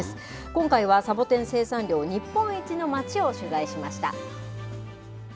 今回はサボテン生産量日本一の町を取材しました。